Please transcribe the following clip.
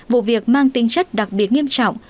vụ việc mang tính chất đặc biệt nghiêm trọng